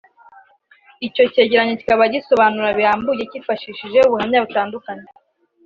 Icyo cyegeranyo kikaba gisobanura birambuye kifashishije ubuhamya butandukanye